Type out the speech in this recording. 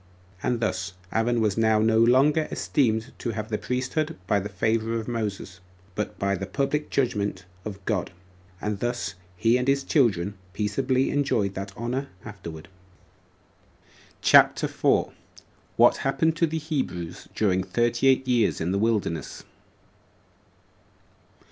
And thus Aaron was now no longer esteemed to have the priesthood by the favor of Moses, but by the public judgment of God; and thus he and his children peaceably enjoyed that honor afterward. CHAPTER 4. What Happened To The Hebrews During Thirty Eight Years In The Wilderness.